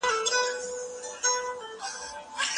که عصري وسایل وکارول سي کارونه به اسانه سي.